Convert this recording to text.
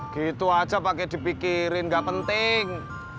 gitu aja pakai dipikirin gak penting